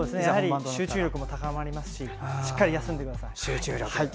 集中力も高まりますししっかり休んでください。